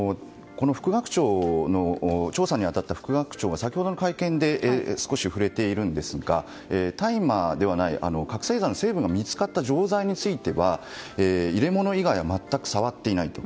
調査に当たった副学長が先ほどの会見で少し触れているんですが大麻ではない覚醒剤の成分が見つかった錠剤については入れ物以外は全く触っていないと。